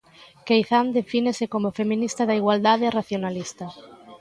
Queizán defínese como feminista da igualdade e racionalista.